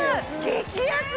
激安！